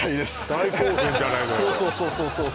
大興奮じゃないのよ